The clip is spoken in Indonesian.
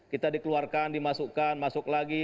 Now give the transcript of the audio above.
kita dikeluarkan dimasukkan masuk lagi